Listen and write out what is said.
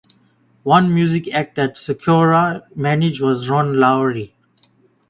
One music act that Sikora managed was Ron Lowry.